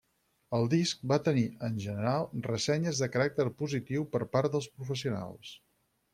El disc va tenir, en general, ressenyes de caràcter positiu per part dels professionals.